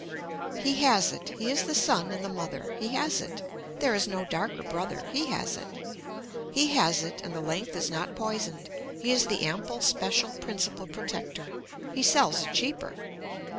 He has it, he is the son and the mother, he has it, there is no darker brother, he has it. He has it and the length is not poisoned, he is the ample special principal protector. He sells it cheaper.